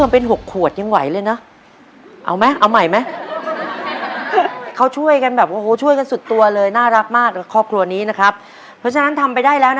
ไปช่วยน้องติดเร็ว